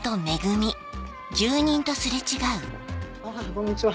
こんにちは。